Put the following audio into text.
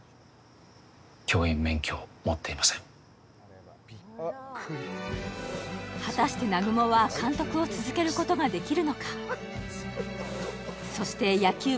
教員免許を持っていません果たして南雲は監督を続けることができるのか？